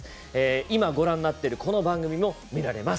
今、ご覧になっているこの番組も見られます。